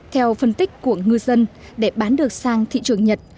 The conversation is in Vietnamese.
theo phân tích của ngư dân để bán được sang thị trường nhật